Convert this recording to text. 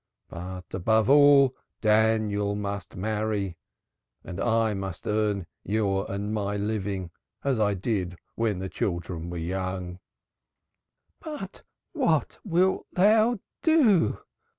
But above all, Daniel must marry and I must earn your and my living as I did when the children were young." "But what wilt thou do?"